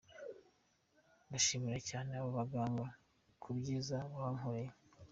Ndashimira cyane abo baganga ku byiza bankoreye”.